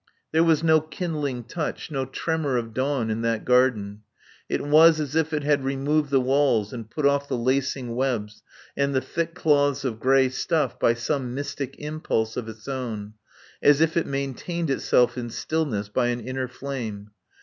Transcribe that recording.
There was no kindling touch, no tremor of dawn in that garden. It was as if it had removed the walls and put off the lacing webs and the thick cloths of grey stuff by some mystic impulse of its own, as if it maintained itself in stillness by an inner flame.